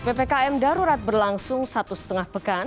ppkm darurat berlangsung satu setengah pekan